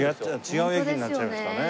違う駅になっちゃいましたね。